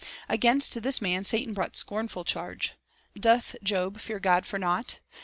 Against this man, Satan brought scornful charge: " Doth Job fear God for naught?